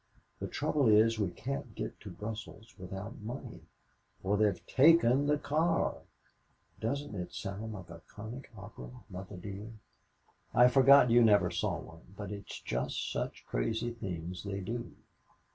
The trouble is we can't get to Brussels without money for they've taken the car! Doesn't it sound like a comic opera, Mother dear? I forgot you never saw one, but it's just such crazy things they do.